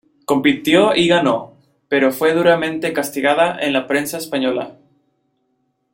Compitió y ganó, pero fue duramente castigada en la prensa española.